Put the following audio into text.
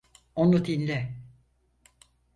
Onu dinle.